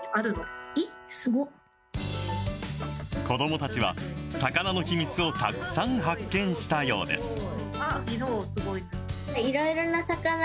子どもたちは魚の秘密をたくさん発見したようです。